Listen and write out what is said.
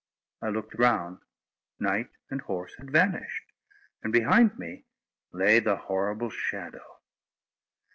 I looked round: knight and horse had vanished, and behind me lay the horrible shadow.